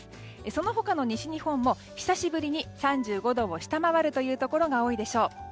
その他の西日本も久しぶりに３５度を下回るところが多いでしょう。